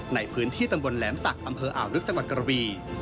ในพื้นที่ตำบลแหลมศักดิ์อำเภออ่าวลึกจังหวัดกระบี